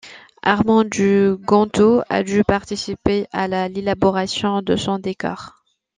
Armand de Gontaut a dû participer à l'élaboration de son décor.